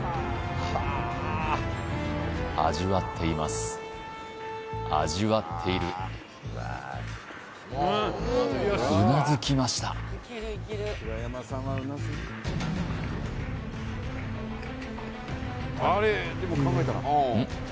味わっています味わっているうなずきましたうん？